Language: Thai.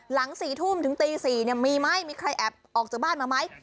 หลัง๔ทุ่มถึงตี๔มีไหมมีใครแอบออกจากบ้านมาไหม